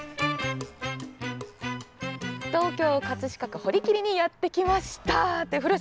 東京・葛飾区堀切にやってきました。